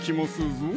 ぞ